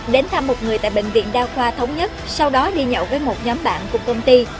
đến thăm một người tại bệnh viện đa khoa thống nhất sau đó đi nhậu với một nhóm bạn của công ty